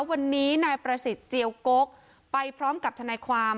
วันนี้นายประสิทธิ์เจียวกกไปพร้อมกับทนายความ